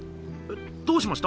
どうしました？